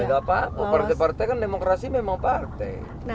ya nggak apa apa partai partai kan demokrasi memang partai